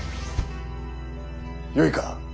よいか。